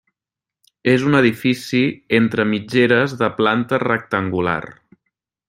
És un edifici entre mitgeres de planta rectangular.